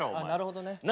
なるほどね。